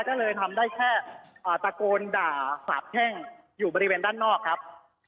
ก็เลยทำได้แค่ตะโกนด่าสาบแช่งอยู่บริเวณด้านนอกครับ